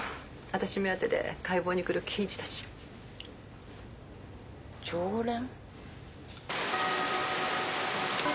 私目当てで解剖に来る刑事たち常連？